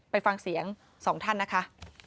ไปฟังเสียงสองท่านนะคะ